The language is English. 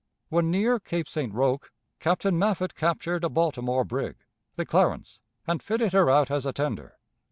When near Cape St. Roque, Captain Maffitt captured a Baltimore brig, the Clarence, and fitted her out as a tender.